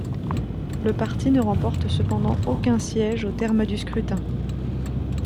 Le parti ne remporte cependant aucun siège au terme du scrutin.